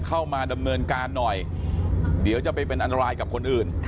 เข้ามาดำเนินการหน่อยเดี๋ยวจะไปเป็นอันตรายกับคนอื่น